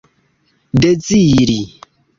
deziri